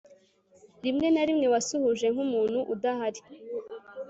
Rimwe na rimwe wasuhuje nkumuntu udahari